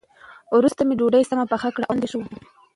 وروسته مې ډوډۍ سمه پخه کړه او خوند یې ښه و.